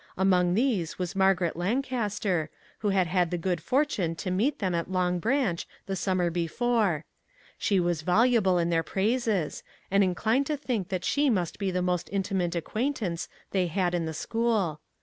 Among these was Margaret Lancaster, who had had the good fortune to meet them at Long Branch the sum 321 MAG AND MARGARET mer before. She was voluble in their praises, and inclined to think that she must be the most intimate acquaintance they had in the school.